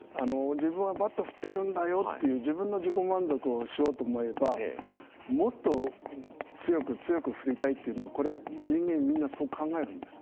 自分はバットを振ってるんだよっていう自分の自己満足をしようと思えばもっと強く強く振りたいっていうのはこれ人間みんなそう考えるんです。